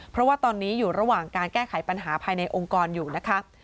เพราะว่าตอนนี้อยู่ระหว่างการแก้ไขปัญหาภายในองค์กรอยู่นะคะ